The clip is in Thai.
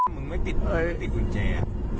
มึงไม่ติดอะไรไม่ติดกุญแจ